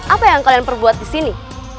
apa yang kalian perbuat di sini